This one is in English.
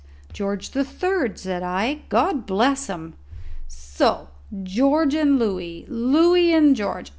"George the Third," said I; "God bless him!" "So George and Louis Louis and George.